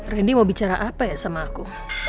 randy mau bicara apa ya sama aku